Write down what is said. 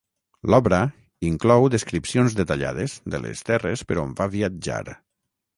L'obra inclou descripcions detallades de les terres per on va viatjar.